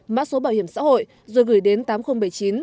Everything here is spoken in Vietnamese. mã số bảo hiểm xã hội rồi gửi đến tám nghìn bảy mươi chín